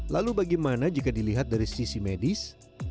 lalu bagaimana jika dilihat dari sisi medis